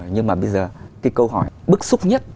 nhưng mà bây giờ cái câu hỏi bức xúc nhất